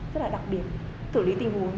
rất là đặc biệt tử lý tình huống